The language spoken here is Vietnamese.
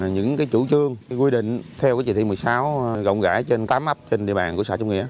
những chủ trương quy định theo chỉ thị một mươi sáu rộng rãi trên tám ấp trên địa bàn của xã trung nghĩa